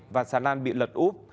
và xà lan bị lật úp